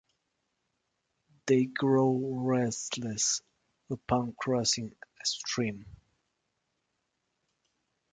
They grow restless upon crossing a stream.